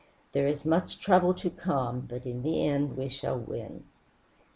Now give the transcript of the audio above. There is much trouble to come, but in the end we shall win."